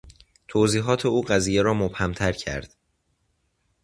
توضیحات او قضیه را مبهمتر کرد.